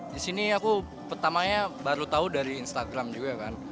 di sini aku pertamanya baru tahu dari instagram juga kan